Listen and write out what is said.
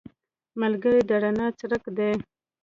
ملګری د رڼا څرک دی